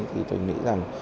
thì tôi nghĩ rằng